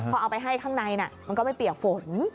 พอเอาไปให้ข้างในมันก็ไม่เปียกฝน